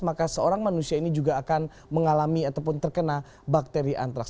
maka seorang manusia ini juga akan mengalami ataupun terkena bakteri antraks